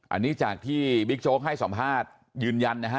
อันนี้จากที่บิ๊กโจ๊กให้สัมภาษณ์ยืนยันนะฮะ